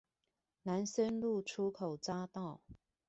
南深路出口匝道